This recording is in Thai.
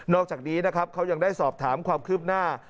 อกจากนี้นะครับเขายังได้สอบถามความคืบหน้า